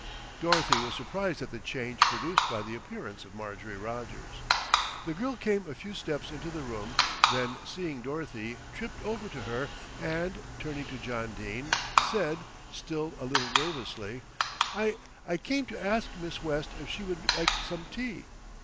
Dorothy was surprised at the change produced by the appearance of Marjorie Rogers. The girl came a few steps into the room, then seeing Dorothy tripped over to her and, turning to John Dene, said, still a little nervously: "I I came to ask Miss West if she would like some tea."